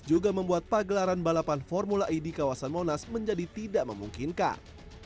juga membuat pagelaran balapan formula e di kawasan monas menjadi tidak memungkinkan